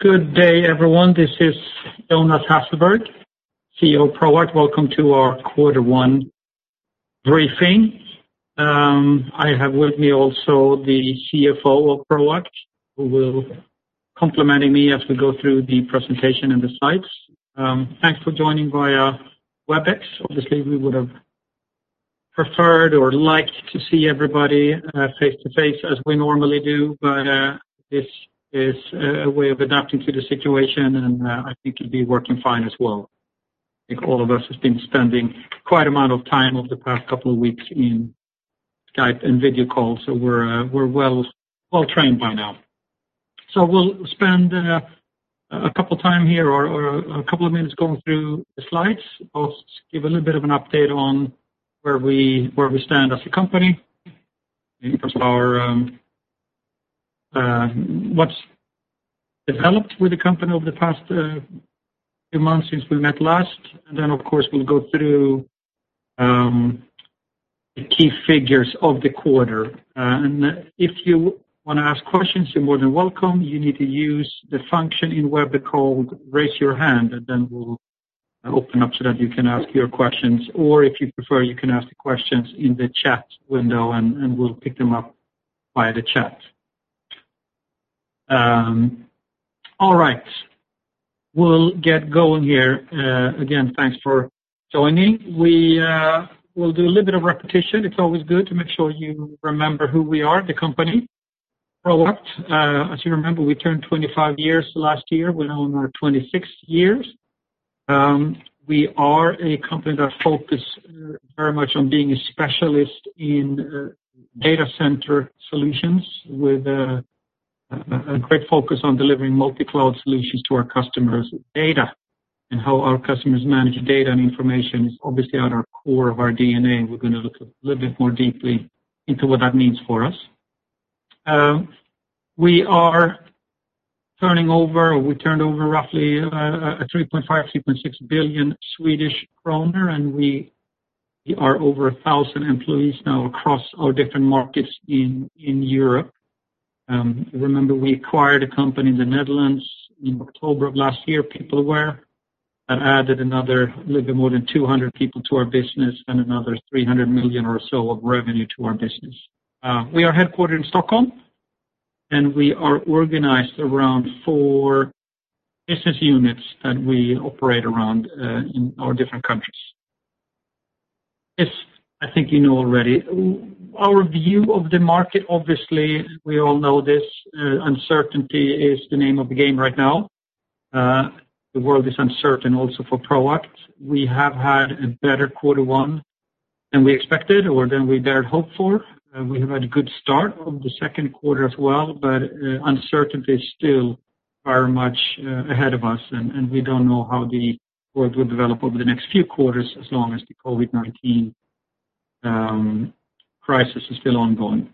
Good day, everyone. This is Jonas Hasselberg, CEO of Proact. Welcome to our quarter one briefing. I have with me also the CFO of Proact, who will be complimenting me as we go through the presentation and the slides. Thanks for joining via Webex. Obviously, we would have preferred or liked to see everybody face to face as we normally do, but this is a way of adapting to the situation, and I think it'll be working fine as well. I think all of us have been spending quite an amount of time over the past couple of weeks in Skype and video calls, so we're well trained by now. We will spend a couple of minutes going through the slides. I'll just give a little bit of an update on where we stand as a company, what's developed with the company over the past few months since we met last. Of course, we'll go through the key figures of the quarter. If you want to ask questions, you're more than welcome. You need to use the function in Webex called Raise Your Hand, and then we'll open up so that you can ask your questions. If you prefer, you can ask the questions in the chat window, and we'll pick them up via the chat. All right. We'll get going here. Again, thanks for joining. We'll do a little bit of repetition. It's always good to make sure you remember who we are, the company Proact. As you remember, we turned 25 years last year. We're now in our 26th year. We are a company that focus very much on being a specialist in data center solutions with a great focus on delivering multi-cloud solutions to our customers with data and how our customers manage data and information is obviously at our core of our DNA. We're gonna look a little bit more deeply into what that means for us. We are turning over, or we turned over roughly 3.5 billion-3.6 billion Swedish kronor, and we are over 1,000 employees now across our different markets in Europe. Remember, we acquired a company in the Netherlands in October of last year, PeopleWare, that added another little bit more than 200 people to our business and another 300 million or so of revenue to our business. We are headquartered in Stockholm, and we are organized around four business units that we operate around in our different countries. This, I think you know already. Our view of the market, obviously, we all know this, uncertainty is the name of the game right now. The world is uncertain also for Proact. We have had a better quarter one than we expected or than we dared hope for. We have had a good start of the second quarter as well, but uncertainty is still very much ahead of us, and we do not know how the world will develop over the next few quarters as long as the COVID-19 crisis is still ongoing.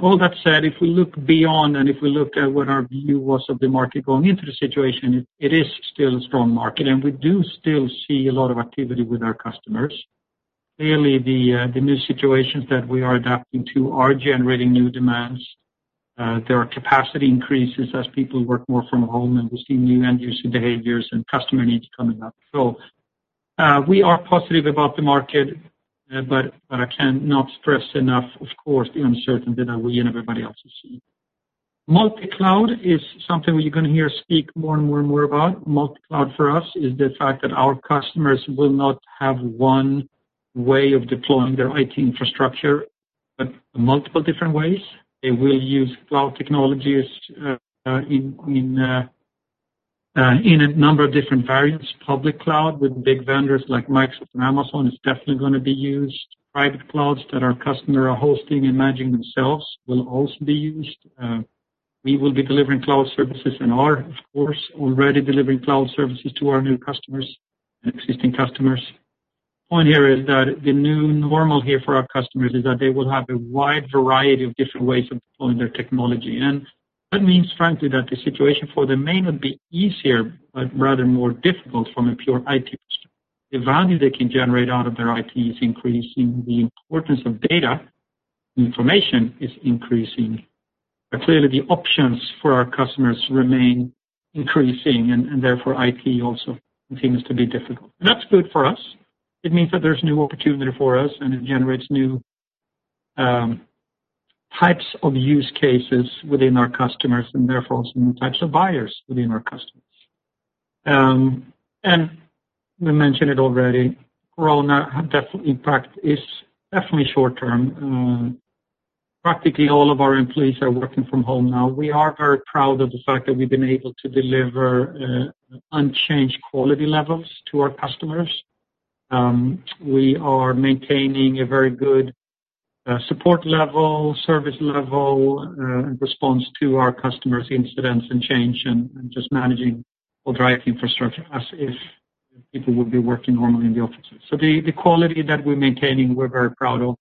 All that said, if we look beyond and if we look at what our view was of the market going into the situation, it is still a strong market, and we do still see a lot of activity with our customers. Clearly, the new situations that we are adapting to are generating new demands. There are capacity increases as people work more from home, and we've seen new end-user behaviors and customer needs coming up. We are positive about the market, but I cannot stress enough, of course, the uncertainty that we and everybody else is seeing. Multi-cloud is something we're gonna hear us speak more and more and more about. Multi-cloud for us is the fact that our customers will not have one way of deploying their IT infrastructure, but multiple different ways. They will use cloud technologies, in a number of different variants. Public cloud with big vendors like Microsoft and Amazon is definitely gonna be used. Private clouds that our customers are hosting and managing themselves will also be used. We will be delivering cloud services and are, of course, already delivering cloud services to our new customers and existing customers. The point here is that the new normal here for our customers is that they will have a wide variety of different ways of deploying their technology. That means, frankly, that the situation for them may not be easier but rather more difficult from a pure IT perspective. The value they can generate out of their IT is increasing. The importance of data information is increasing. Clearly, the options for our customers remain increasing, and therefore, IT also continues to be difficult. That is good for us. It means that there is new opportunity for us, and it generates new types of use cases within our customers and therefore also new types of buyers within our customers. We mentioned it already. Corona definitely, in fact, is definitely short term. Practically all of our employees are working from home now. We are very proud of the fact that we've been able to deliver unchanged quality levels to our customers. We are maintaining a very good support level, service level, in response to our customers' incidents and change, and just managing all dry infrastructure as if people would be working normally in the offices. The quality that we're maintaining, we're very proud of.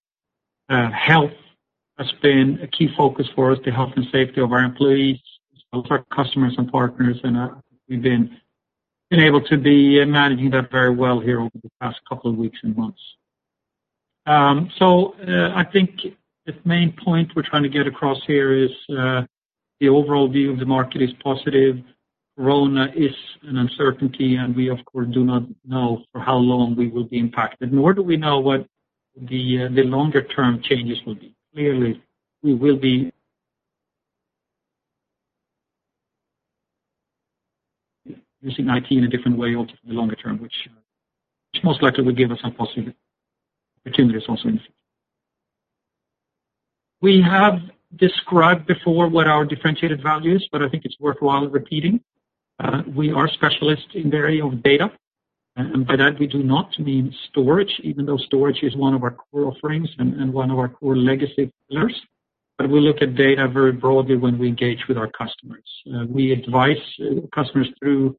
Health has been a key focus for us, the health and safety of our employees, as well as our customers and partners. We've been able to be managing that very well here over the past couple of weeks and months. I think the main point we're trying to get across here is the overall view of the market is positive. Corona is an uncertainty, and we, of course, do not know for how long we will be impacted, nor do we know what the longer-term changes will be. Clearly, we will be using IT in a different way over the longer term, which most likely will give us some positive opportunities also in the future. We have described before what our differentiated value is, but I think it's worthwhile repeating. We are specialists in the area of data. And by that, we do not mean storage, even though storage is one of our core offerings and one of our core legacy pillars. We look at data very broadly when we engage with our customers. We advise customers through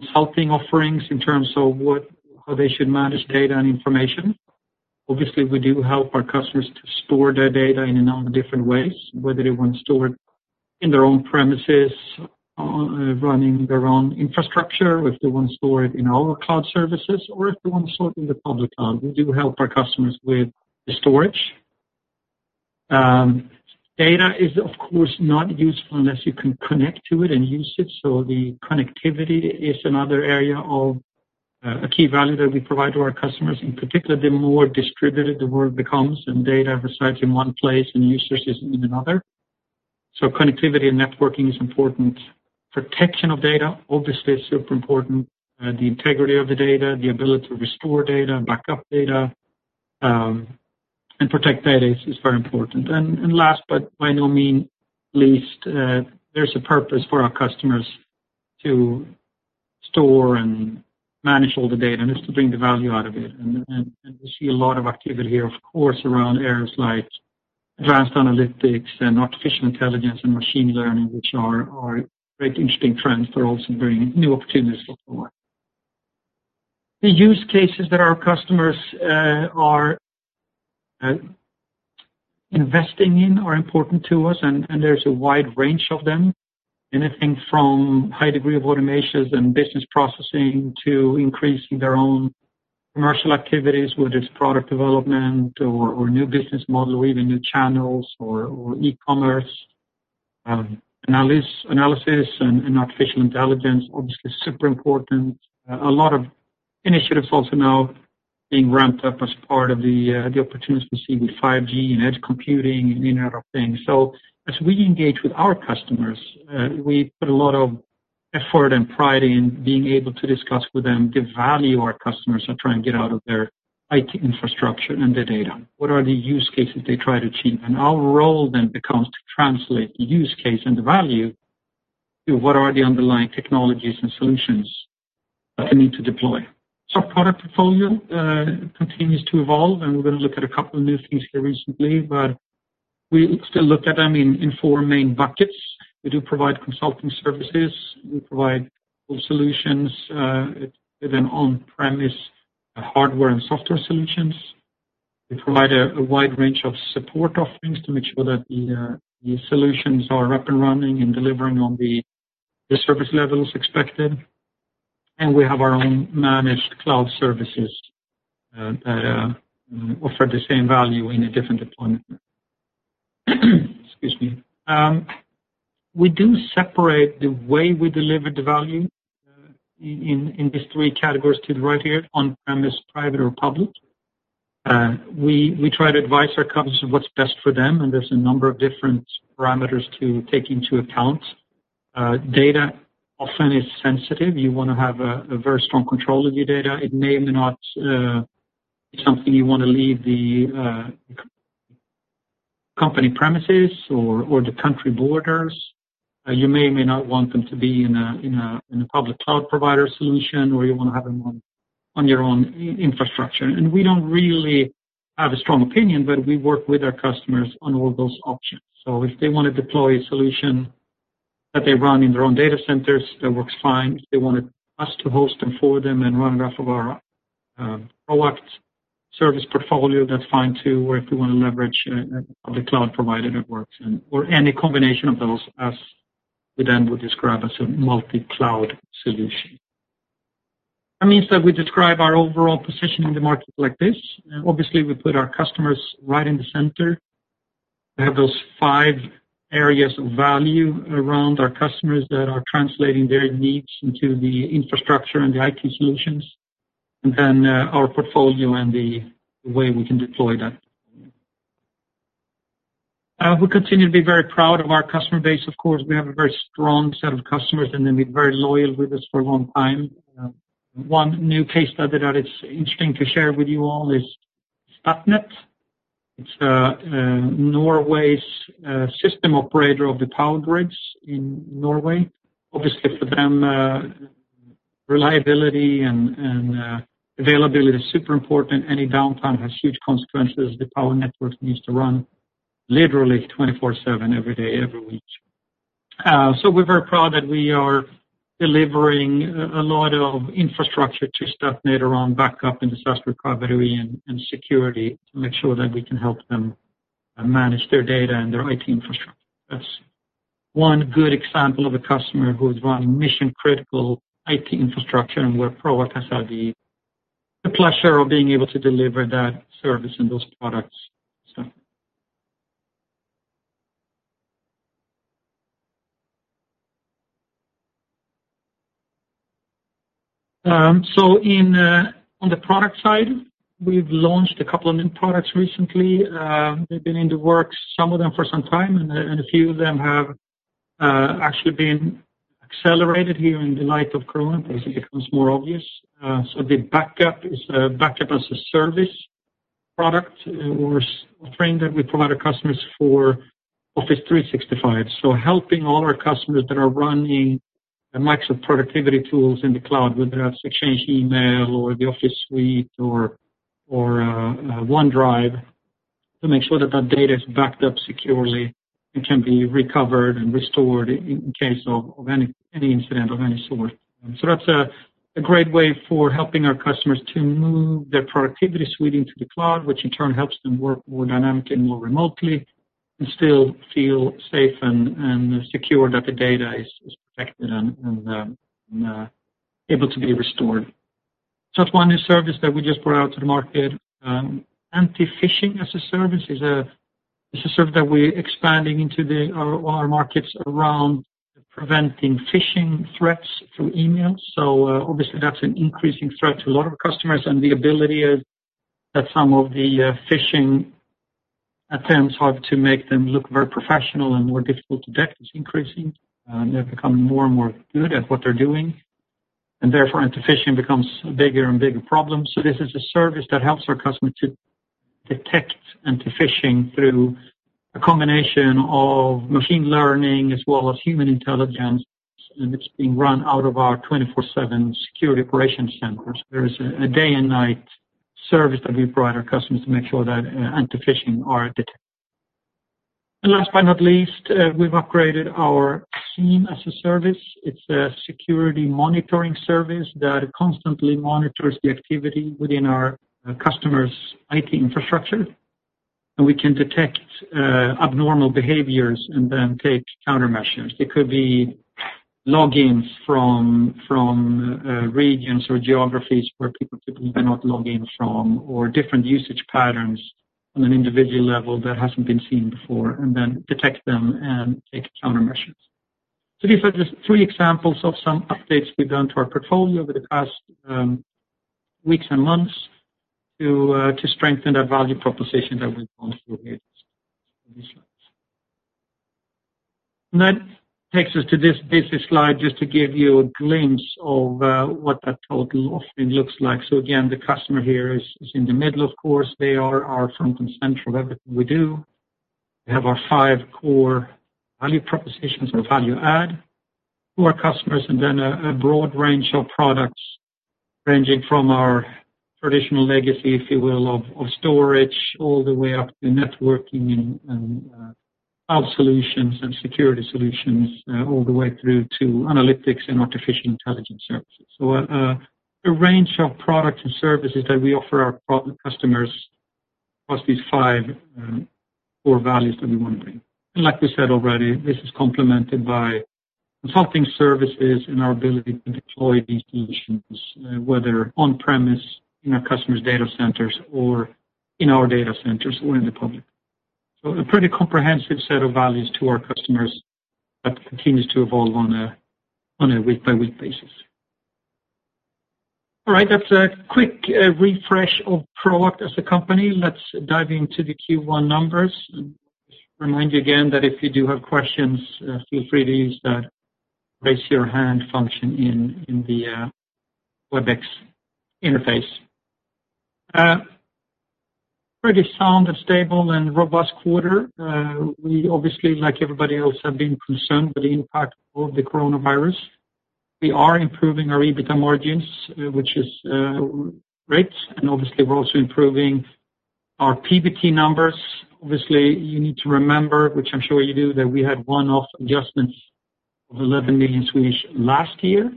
consulting offerings in terms of what, how they should manage data and information. Obviously, we do help our customers to store their data in a number of different ways, whether they want to store it in their own premises, running their own infrastructure, or if they want to store it in our cloud services, or if they want to store it in the public cloud. We do help our customers with the storage. Data is, of course, not useful unless you can connect to it and use it. The connectivity is another area of, a key value that we provide to our customers. In particular, the more distributed the world becomes and data resides in one place and users is in another. Connectivity and networking is important. Protection of data, obviously, is super important. The integrity of the data, the ability to restore data, backup data, and protect data is, is very important. Last but by no means least, there's a purpose for our customers to store and manage all the data, and it's to bring the value out of it. We see a lot of activity here, of course, around areas like advanced analytics and artificial intelligence and machine learning, which are great interesting trends that are also bringing new opportunities for Proact. The use cases that our customers are investing in are important to us, and there's a wide range of them. Anything from high degree of automations and business processing to increasing their own commercial activities, whether it's product development or new business model or even new channels or e-commerce. Analysis and artificial intelligence, obviously, super important. A lot of initiatives also now being ramped up as part of the opportunities we see with 5G and edge computing and Internet of Things. As we engage with our customers, we put a lot of effort and pride in being able to discuss with them the value our customers are trying to get out of their IT infrastructure and their data, what are the use cases they try to achieve. Our role then becomes to translate the use case and the value to what are the underlying technologies and solutions that we need to deploy. Our product portfolio continues to evolve, and we're gonna look at a couple of new things here recently, but we still look at them in four main buckets. We do provide consulting services. We provide solutions within on-premise, hardware and software solutions. We provide a wide range of support offerings to make sure that the solutions are up and running and delivering on the service levels expected. We have our own managed cloud services that offer the same value in a different deployment. Excuse me. We do separate the way we deliver the value in these three categories to the right here, on-premise, private, or public. We try to advise our customers of what's best for them, and there's a number of different parameters to take into account. Data often is sensitive. You want to have a very strong control of your data. It may or may not be something you want to leave the company premises or the country borders. You may or may not want them to be in a public cloud provider solution, or you wanna have them on your own infrastructure. We do not really have a strong opinion, but we work with our customers on all those options. If they wanna deploy a solution that they run in their own data centers, that works fine. If they wanted us to host them for them and run off of our Proact service portfolio, that is fine too. If we wanna leverage a public cloud provider, that works, and/or any combination of those as we then would describe as a multi-cloud solution. That means that we describe our overall position in the market like this. Obviously, we put our customers right in the center. We have those five areas of value around our customers that are translating their needs into the infrastructure and the IT solutions. Then, our portfolio and the way we can deploy that. We continue to be very proud of our customer base. Of course, we have a very strong set of customers, and they've been very loyal with us for a long time. One new case study that is interesting to share with you all is Statnet. It is Norway's system operator of the power grids in Norway. Obviously, for them, reliability and availability is super important. Any downtime has huge consequences. The power network needs to run literally 24/7, every day, every week. We're very proud that we are delivering a lot of infrastructure to Statnet around backup and disaster recovery and security to make sure that we can help them manage their data and their IT infrastructure. That's one good example of a customer who's running mission-critical IT infrastructure, and where Proact has had the pleasure of being able to deliver that service and those products. On the product side, we've launched a couple of new products recently. They've been in the works, some of them for some time, and a few of them have actually been accelerated here in the light of Corona, but it becomes more obvious. The backup is a backup-as-a-service product, or a thing that we provide our customers for Office 365. Helping all our customers that are running Microsoft productivity tools in the cloud, whether that's Exchange Email or the Office Suite or OneDrive, to make sure that that data is backed up securely and can be recovered and restored in case of any incident of any sort. That's a great way for helping our customers to move their productivity suite into the cloud, which in turn helps them work more dynamically and more remotely and still feel safe and secure that the data is protected and able to be restored. That's one new service that we just brought out to the market. Anti-phishing as a service is a service that we're expanding into our markets around preventing phishing threats through email. Obviously, that's an increasing threat to a lot of our customers. The ability that some of the phishing attempts have to make them look very professional and more difficult to detect is increasing. They're becoming more and more good at what they're doing. Therefore, anti-phishing becomes a bigger and bigger problem. This is a service that helps our customers to detect anti-phishing through a combination of machine learning as well as human intelligence. It's being run out of our 24/7 security operations centers. There is a day and night service that we provide our customers to make sure that anti-phishing are detected. Last but not least, we've upgraded our SIEM as a Service. It's a security monitoring service that constantly monitors the activity within our customer's IT infrastructure. We can detect abnormal behaviors and then take countermeasures. They could be logins from regions or geographies where people typically cannot log in from or different usage patterns on an individual level that hasn't been seen before and then detect them and take countermeasures. These are just three examples of some updates we've done to our portfolio over the past weeks and months to strengthen that value proposition that we've gone through here just in these slides. That takes us to this basic slide just to give you a glimpse of what that total looks like. Again, the customer here is in the middle, of course. They are our front and center of everything we do. We have our five core value propositions or value add to our customers and then a broad range of products ranging from our traditional legacy, if you will, of storage all the way up to networking and cloud solutions and security solutions, all the way through to analytics and artificial intelligence services. A range of products and services that we offer our customers across these five core values that we wanna bring. Like we said already, this is complemented by consulting services and our ability to deploy these solutions, whether on-premise in our customers' data centers or in our data centers or in the public. A pretty comprehensive set of values to our customers that continues to evolve on a week-by-week basis. All right. That's a quick refresh of Proact as a company. Let's dive into the Q1 numbers. Just remind you again that if you do have questions, feel free to use that raise-your-hand function in the WebEx interface. Pretty sound and stable and robust quarter. We obviously, like everybody else, have been concerned with the impact of the coronavirus. We are improving our EBITDA margins, which is great. Obviously, we're also improving our PBT numbers. Obviously, you need to remember, which I'm sure you do, that we had one-off adjustments of 11 million last year.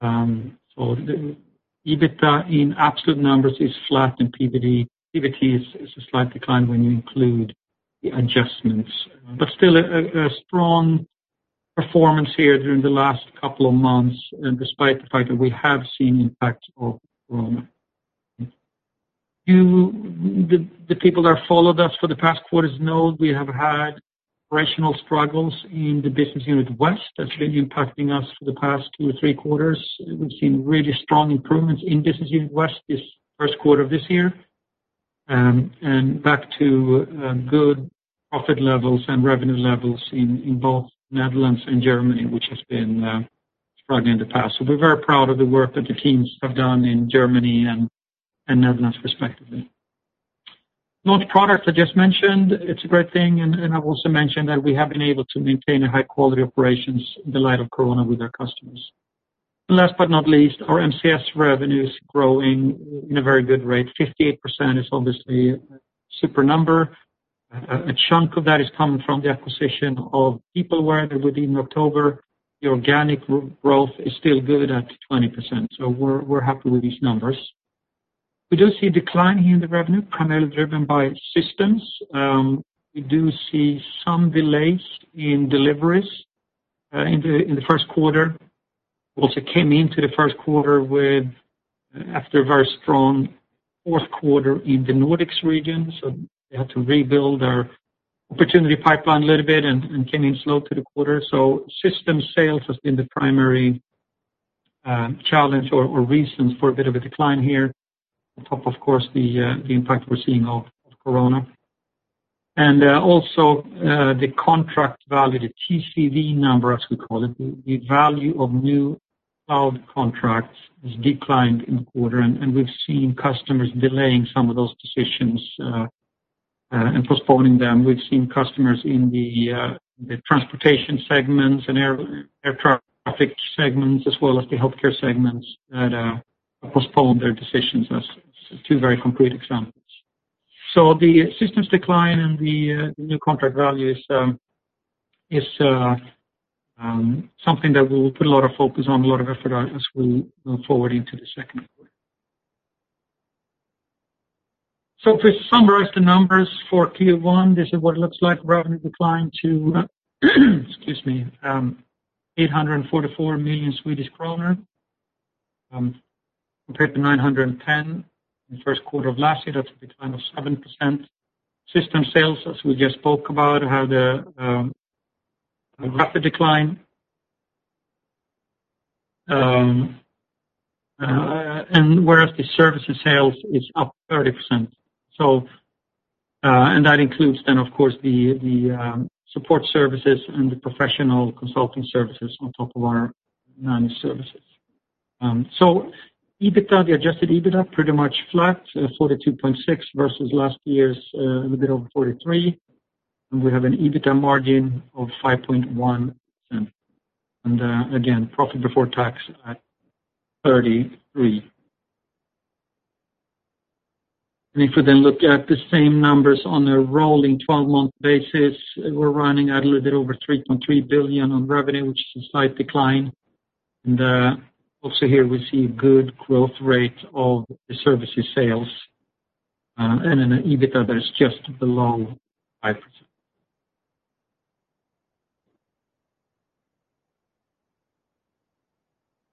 The EBITDA in absolute numbers is flat, and PBT is a slight decline when you include the adjustments. Still a strong performance here during the last couple of months, despite the fact that we have seen impact of corona. You, the people that followed us for the past quarters know we have had operational struggles in the business unit West that's been impacting us for the past two or three quarters. We've seen really strong improvements in business unit West this first quarter of this year, and back to good profit levels and revenue levels in both Netherlands and Germany, which has been struggling in the past. We are very proud of the work that the teams have done in Germany and Netherlands respectively. Launch products I just mentioned, it's a great thing. I have also mentioned that we have been able to maintain high-quality operations in the light of corona with our customers. Last but not least, our MCS revenue is growing at a very good rate. 58% is obviously a super number. A chunk of that is coming from the acquisition of PeopleWare that we did in October. The organic growth is still good at 20%. We are happy with these numbers. We do see decline here in the revenue, primarily driven by systems. We do see some delays in deliveries in the first quarter. We also came into the first quarter after a very strong fourth quarter in the Nordics region. They had to rebuild their opportunity pipeline a little bit and came in slow to the quarter. System sales has been the primary challenge or reason for a bit of a decline here on top, of course, of the impact we are seeing of corona. Also, the contract value, the TCV number, as we call it, the value of new cloud contracts has declined in the quarter. We have seen customers delaying some of those decisions and postponing them. We have seen customers in the transportation segments and air traffic segments as well as the healthcare segments that postponed their decisions. That is two very concrete examples. The systems decline and the new contract value is something that we will put a lot of focus on, a lot of effort on as we move forward into the second quarter. To summarize the numbers for Q1, this is what it looks like. Revenue declined to 844 million Swedish kronor, compared to 910 million in the first quarter of last year. That is a decline of 7%. System sales, as we just spoke about, had a rapid decline, whereas the services sales is up 30%. That includes then, of course, the support services and the professional consulting services on top of our managed services. EBITDA, the adjusted EBITDA, pretty much flat, 42.6 million versus last year's, a little bit over 43 million. We have an EBITDA margin of 5.1%. Again, profit before tax at 33 million. If we then look at the same numbers on a rolling 12-month basis, we're running at a little bit over 3.3 billion on revenue, which is a slight decline. Also here, we see a good growth rate of the services sales, and an EBITDA that is just below 5%.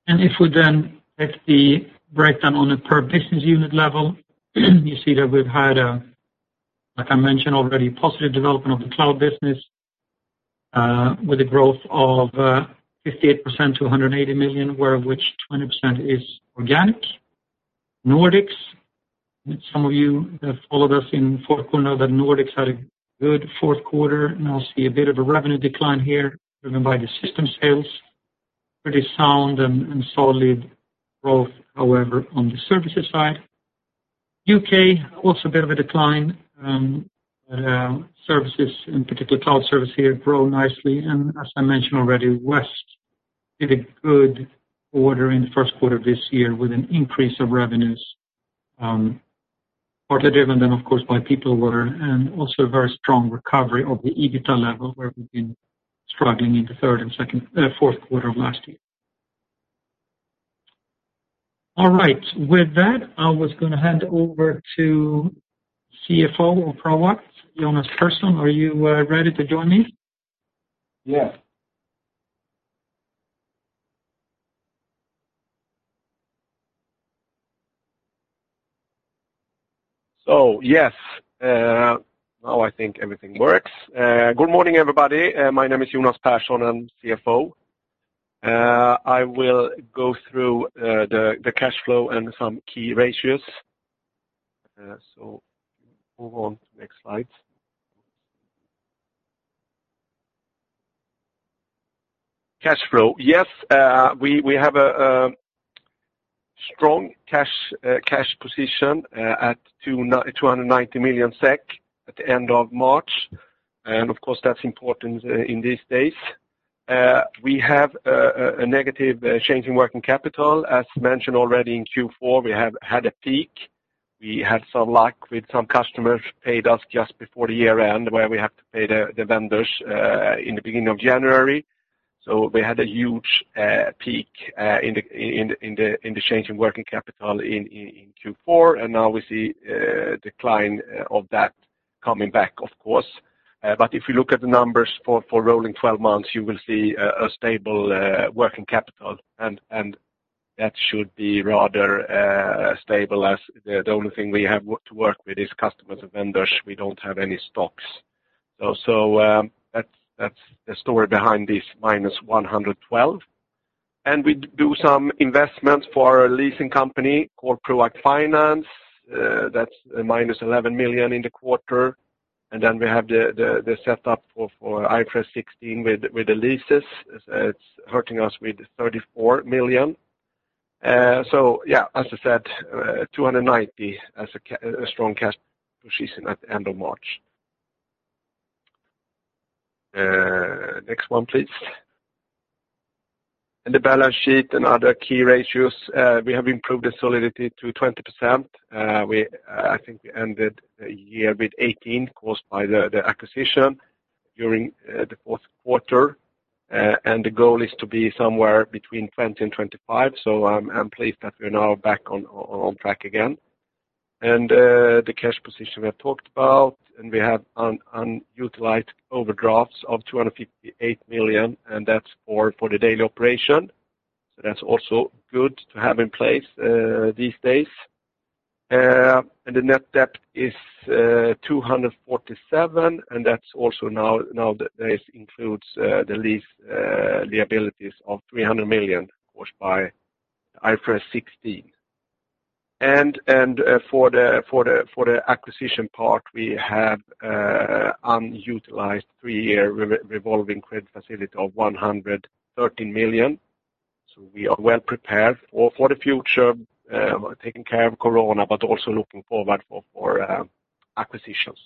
If we then take the breakdown on a per business unit level, you see that we've had a, like I mentioned already, positive development of the cloud business, with a growth of 58% to 180 million, where of which 20% is organic. Nordics, some of you that followed us in Fortuna know that Nordics had a good fourth quarter. I see a bit of a revenue decline here driven by the system sales, pretty sound and solid growth, however, on the services side. U.K., also a bit of a decline, but services, in particular cloud service here, grow nicely. As I mentioned already, West did a good quarter in the first quarter of this year with an increase of revenues, partly driven then, of course, by PeopleWare and also a very strong recovery of the EBITDA level where we've been struggling in the third and second, fourth quarter of last year. All right. With that, I was gonna hand over to CFO of Proact, Jonas Persson. Are you ready to join me? Yes. Yes. Now I think everything works. Good morning, everybody. My name is Jonas Persson. I'm CFO. I will go through the cash flow and some key ratios. Move on to the next slide. Cash flow. Yes. We have a strong cash position, at 290 million SEK at the end of March. Of course, that's important in these days. We have a negative change in working capital. As mentioned already in Q4, we have had a peak. We had some luck with some customers who paid us just before the year-end where we have to pay the vendors in the beginning of January. We had a huge peak in the change in working capital in Q4. Now we see decline of that coming back, of course. If you look at the numbers for rolling 12 months, you will see a stable working capital. That should be rather stable as the only thing we have to work with is customers and vendors. We do not have any stocks. That is the story behind this minus 112 million. We do some investments for our leasing company, Proact Finance. That is a minus 11 million in the quarter. We have the setup for IFRS 16 with the leases. It is hurting us with 34 million. As I said, 290 million as cash, a strong cash position at the end of March. Next one, please. The balance sheet and other key ratios. We have improved the solidity to 20%. I think we ended the year with 18% caused by the acquisition during the fourth quarter. The goal is to be somewhere between 20% and 25%. I'm pleased that we're now back on track again. The cash position we have talked about. We have unutilized overdrafts of 258 million, and that's for the daily operation. That's also good to have in place these days. The net debt is 247 million. That also now includes the lease liabilities of 300 million, of course, by IFRS 16. For the acquisition part, we have an unutilized three-year revolving credit facility of 113 million. We are well prepared for the future, taking care of corona but also looking forward for acquisitions.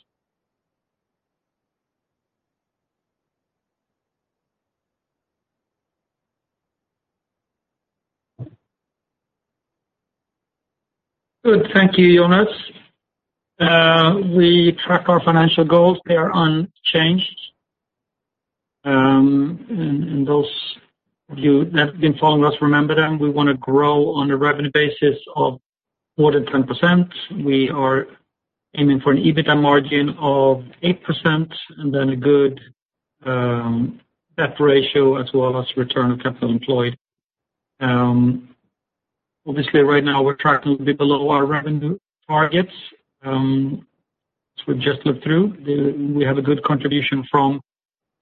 Good. Thank you, Jonas. We track our financial goals. They are unchanged. Those of you that have been following us remember them. We wanna grow on a revenue basis of more than 10%. We are aiming for an EBITDA margin of 8% and then a good debt ratio as well as return of capital employed. Obviously, right now, we're tracking to be below our revenue targets. As we just looked through, we have a good contribution from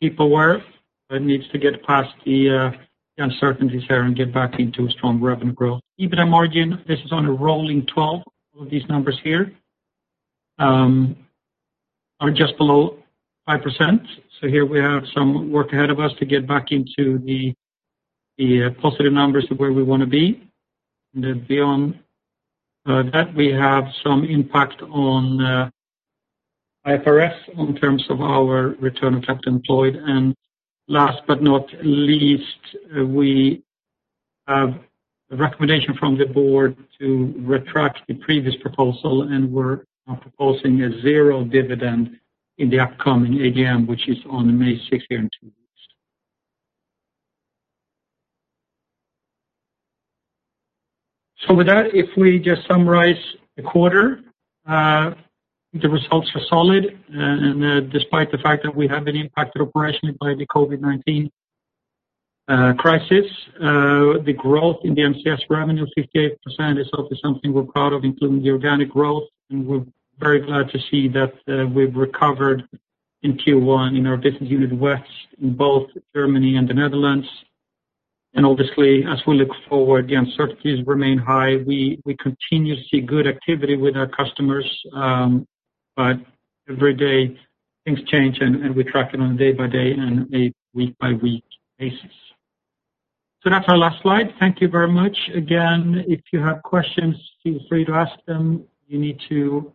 PeopleWare that needs to get past the uncertainties here and get back into strong revenue growth. EBITDA margin, this is on a rolling 12. All of these numbers here are just below 5%. Here we have some work ahead of us to get back into the positive numbers of where we wanna be. Beyond that, we have some impact on IFRS in terms of our return of capital employed. Last but not least, we have a recommendation from the board to retract the previous proposal. We're proposing a zero dividend in the upcoming AGM, which is on May 6th here in two weeks. With that, if we just summarize the quarter, the results are solid. Despite the fact that we have been impacted operationally by the COVID-19 crisis, the growth in the MCS revenue of 58% is obviously something we're proud of, including the organic growth. We're very glad to see that we've recovered in Q1 in our business unit West in both Germany and the Netherlands. Obviously, as we look forward, the uncertainties remain high. We continue to see good activity with our customers, but every day things change. We track it on a day-by-day and a week-by-week basis. That's our last slide. Thank you very much. If you have questions, feel free to ask them. You need to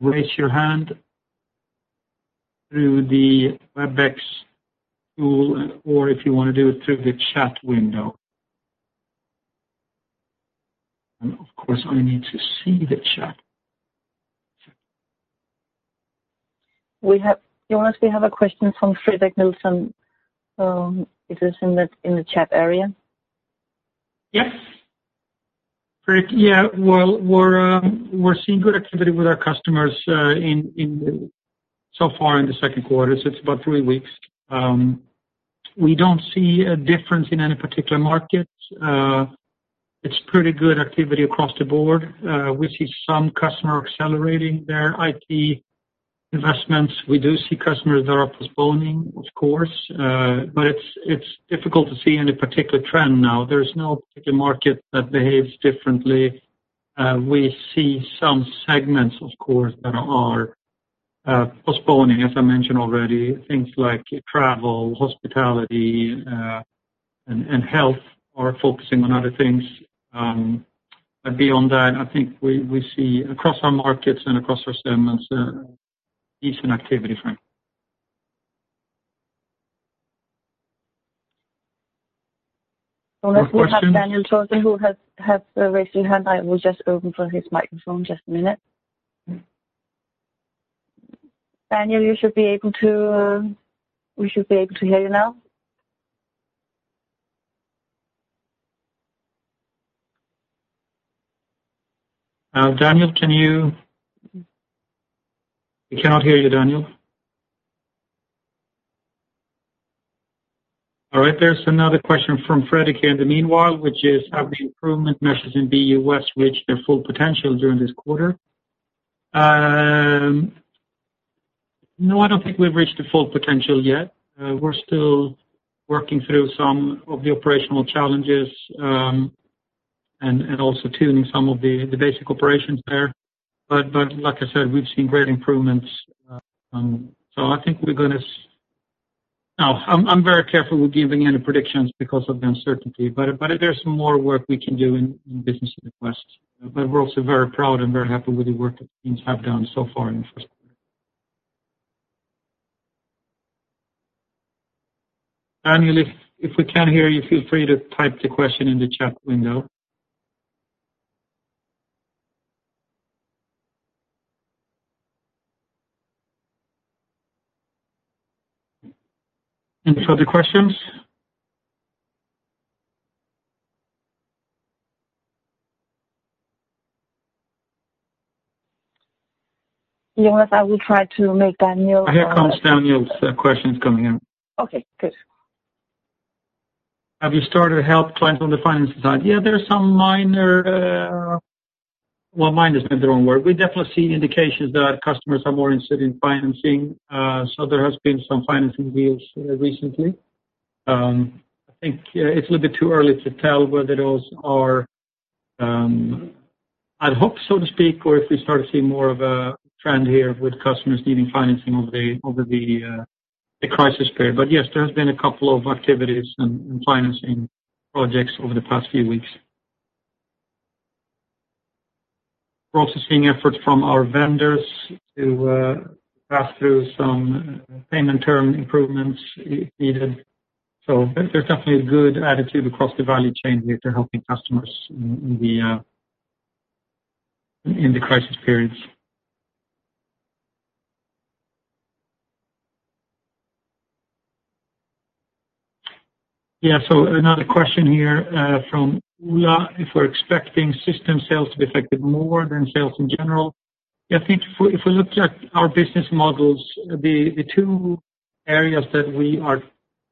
raise your hand through the WebEx tool or if you want to do it through the chat window. Of course, I need to see the chat. We have, Jonas, we have a question from Fredrik Nilsson. Is this in the chat area? Yes. Fredrik, yeah. We are seeing good activity with our customers so far in the second quarter. It is about three weeks. We do not see a difference in any particular market. It is pretty good activity across the board. We see some customers accelerating their IT investments. We do see customers that are postponing, of course. It is difficult to see any particular trend now. There is no particular market that behaves differently. We see some segments, of course, that are postponing, as I mentioned already, things like travel, hospitality, and health are focusing on other things. But beyond that, I think we see across our markets and across our segments, decent activity frame. Jonas, we have Daniel [Johnson], who has raised his hand. I will just open for his microphone, just a minute. Daniel, you should be able to, we should be able to hear you now. Daniel, can you? We cannot hear you, Daniel. All right. There's another question from Fredrik here in the meanwhile, which is, have the improvement measures in BU West reached their full potential during this quarter? No, I don't think we've reached the full potential yet. We're still working through some of the operational challenges, and also tuning some of the basic operations there. But like I said, we've seen great improvements. I think we're gonna, now, I'm very careful with giving any predictions because of the uncertainty. There is more work we can do in business unit West. We are also very proud and very happy with the work that teams have done so far in the first quarter. Daniel, if we can hear you, feel free to type the question in the chat window. Any further questions? Jonas, I will try to make Daniel. I have counselor Daniel's questions coming in. Okay. Good. Have you started to help clients on the finance side? Yeah, there are some minor, well, minor is not the wrong word. We definitely see indications that customers are more interested in financing. There have been some financing deals recently. I think it is a little bit too early to tell whether those are ad hoc, so to speak, or if we start to see more of a trend here with customers needing financing over the crisis period. Yes, there has been a couple of activities and financing projects over the past few weeks. We're also seeing efforts from our vendors to pass through some payment term improvements if needed. There's definitely a good attitude across the value chain here to helping customers in the crisis periods. Another question here from Oola, if we're expecting system sales to be affected more than sales in general. I think if we looked at our business models, the two areas that we are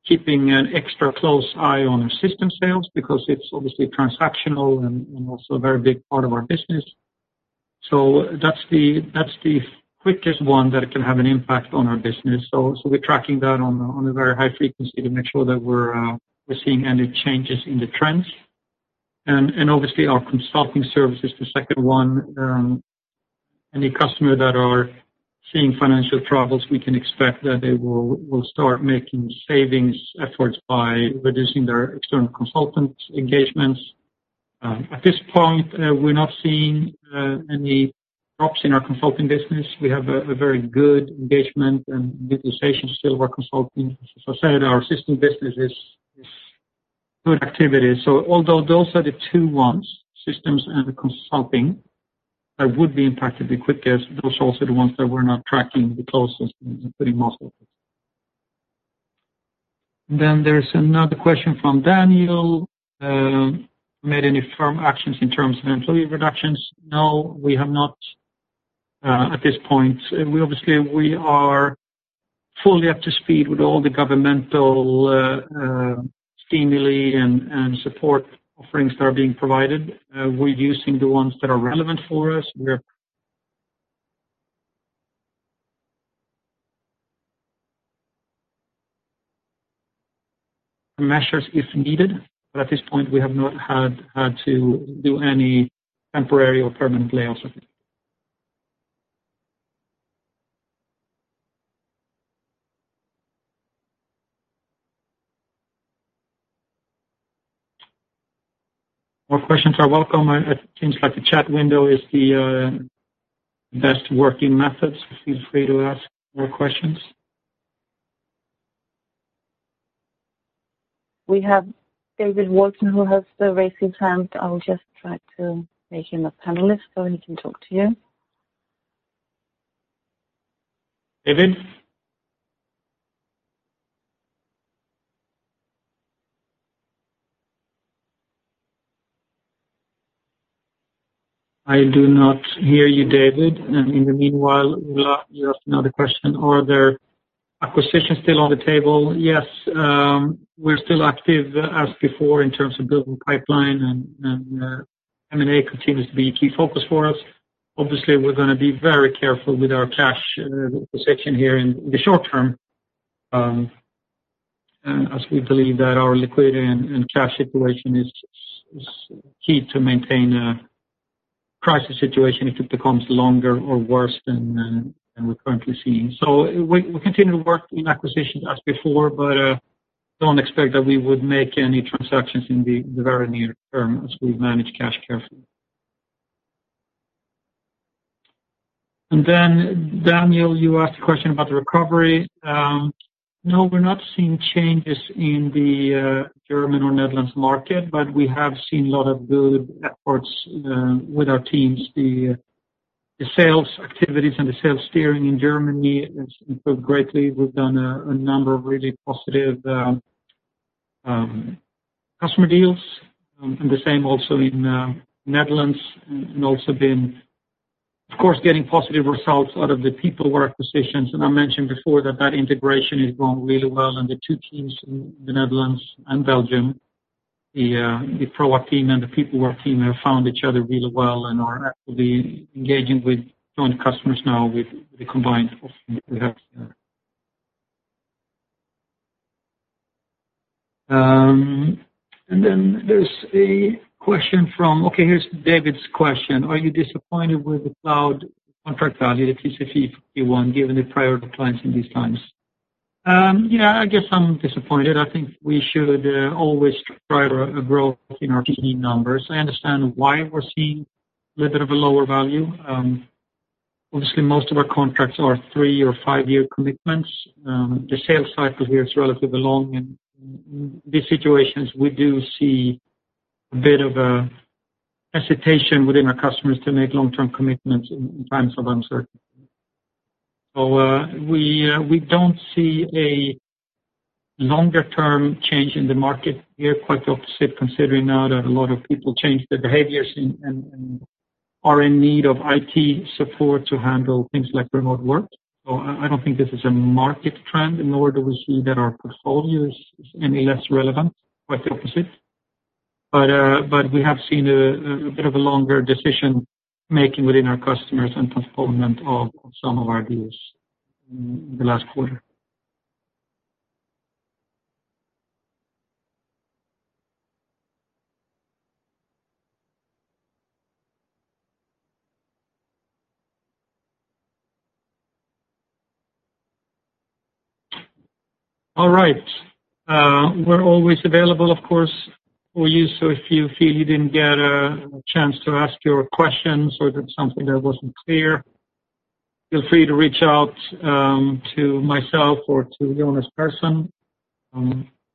keeping an extra close eye on are system sales because it's obviously transactional and also a very big part of our business. That's the quickest one that can have an impact on our business. We're tracking that on a very high frequency to make sure that we're seeing any changes in the trends. Obviously, our consulting service is the second one. Any customer that are seeing financial troubles, we can expect that they will start making savings efforts by reducing their external consultant engagements. At this point, we're not seeing any drops in our consulting business. We have a very good engagement and utilization still of our consulting. As I said, our system business is good activity. Although those are the two ones, systems and consulting, that would be impacted the quickest, those are also the ones that we're tracking the closest and putting most of it. There's another question from Daniel. Made any firm actions in terms of employee reductions? No, we have not at this point. We obviously are fully up to speed with all the governmental stimuli and support offerings that are being provided. We are using the ones that are relevant for us. We are measuring if needed. At this point, we have not had to do any temporary or permanent layoffs. More questions are welcome. It seems like the chat window is the best working method. Feel free to ask more questions. We have David Walton, who has raised his hand. I will just try to make him a panelist so he can talk to you. David? I do not hear you, David. In the meanwhile, Oola, you have another question. Are there acquisitions still on the table? Yes. We are still active as before in terms of building pipeline. M&A continues to be a key focus for us. Obviously, we're gonna be very careful with our cash position here in the short term, as we believe that our liquidity and cash situation is key to maintain a crisis situation if it becomes longer or worse than we're currently seeing. We continue to work in acquisitions as before, but don't expect that we would make any transactions in the very near term as we manage cash carefully. Daniel, you asked a question about the recovery. No, we're not seeing changes in the German or Netherlands market, but we have seen a lot of good efforts with our teams. The sales activities and the sales steering in Germany has improved greatly. We've done a number of really positive customer deals, and the same also in Netherlands. Also, of course, getting positive results out of the PeopleWare acquisitions. I mentioned before that integration is going really well. The two teams in the Netherlands and Belgium, the Proact team and the PeopleWare team, have found each other really well and are actively engaging with joint customers now with the combined offering that we have here. There is a question from, okay, here is David's question. Are you disappointed with the cloud contract value, the TCV for Q1, given the priority clients in these times? Yeah, I guess I'm disappointed. I think we should always try a growth in our team numbers. I understand why we're seeing a little bit of a lower value. Obviously, most of our contracts are three or five-year commitments. The sales cycle here is relatively long. In these situations, we do see a bit of a hesitation within our customers to make long-term commitments in times of uncertainty. We do not see a longer-term change in the market here, quite the opposite, considering now that a lot of people changed their behaviors and are in need of IT support to handle things like remote work. I do not think this is a market trend. Nor do we see that our portfolio is any less relevant, quite the opposite. We have seen a bit of a longer decision-making within our customers and postponement of some of our deals in the last quarter. All right. We are always available, of course, for you. If you feel you didn't get a chance to ask your questions or there's something that wasn't clear, feel free to reach out to myself or to Jonas Persson.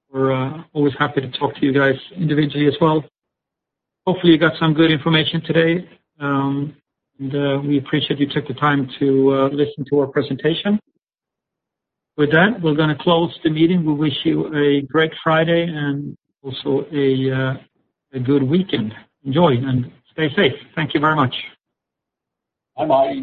We're always happy to talk to you guys individually as well. Hopefully, you got some good information today, and we appreciate you took the time to listen to our presentation. With that, we're gonna close the meeting. We wish you a great Friday and also a good weekend. Enjoy and stay safe. Thank you very much. Bye-bye.